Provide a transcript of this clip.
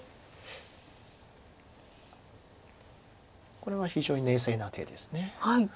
これは非常に冷静な手です。